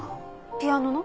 ピアノの？